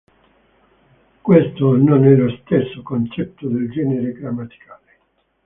Questo non è lo stesso concetto del genere grammaticale.